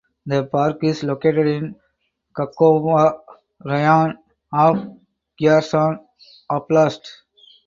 The park is located in Kakhovka Raion of Kherson Oblast.